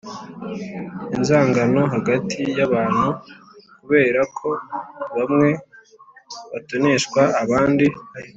inzangano hagati y’abantu kubera ko bamwe batoneshwa abandi